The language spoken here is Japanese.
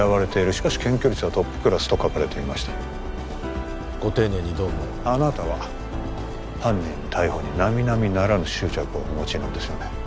しかし検挙率はトップクラスと書かれていましたご丁寧にどうもあなたは犯人逮捕になみなみならぬ執着をお持ちなんですよね？